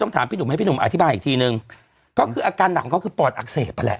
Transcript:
ถามพี่หนุ่มให้พี่หนุ่มอธิบายอีกทีนึงก็คืออาการหนักของเขาคือปอดอักเสบนั่นแหละ